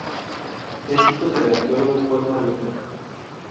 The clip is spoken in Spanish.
Es hijo del arqueólogo Juan Maluquer.